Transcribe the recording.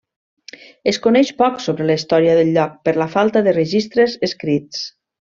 Es coneix poc sobre la història del lloc per la falta de registres escrits.